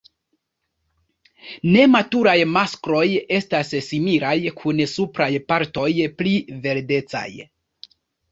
Nematuraj maskloj estas similaj kun supraj partoj pli verdecaj.